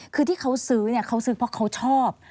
คือที่เขาซื้อเนี่ยเขาซื้อเพราะเขาชอบ